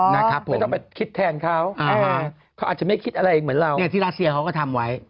ไม่ต้องไปคิดแทนเขาเขาอาจจะไม่คิดอะไรเหมือนเราเนี่ยที่รัสเซียเขาก็ทำไว้